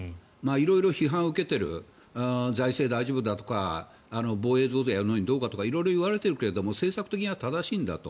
色々批判を受けている財政大丈夫かとか防衛増税やるのにどうだとか色々言われているけれど政策的には正しいんだと。